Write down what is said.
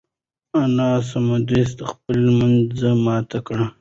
انا سمدستي خپل لمونځ مات کړ.